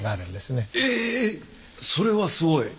えそれはすごい。